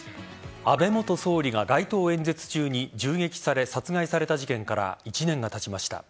安倍元総理が街頭演説中に銃撃され、殺害された事件から１年がたちました。